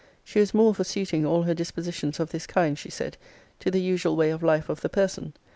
She was more for suiting all her dispositions of this kind, she said, to the usual way of life of the person.